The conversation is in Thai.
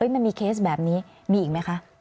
มันมีเคสแบบนี้มีอีกไหมคะ